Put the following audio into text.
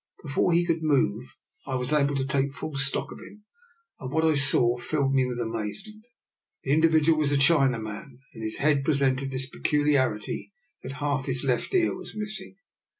Before he could move I was able to take full stock of him, and what I saw filled me with amaze ment. The individual was a Chinaman^ and his head presented this peculiarity, that half his left ear was missing.